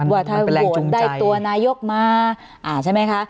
วัฒนาหวงได้ตัวนายกมาใช่ไหมคะ